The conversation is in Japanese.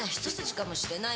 かもしれない